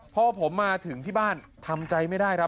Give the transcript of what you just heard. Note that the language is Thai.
พอผมมาถึงที่บ้านทำใจไม่ได้ครับ